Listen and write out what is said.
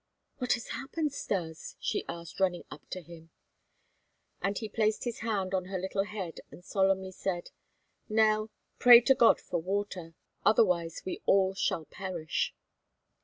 "What has happened, Stas?" she asked, running up to him. And he placed his hand on her little head and solemnly said: "Nell, pray to God for water; otherwise we all shall perish."